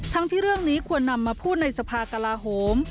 ทั้งที่เรื่องนี้ควรนำมาพูดในสภากลาโหม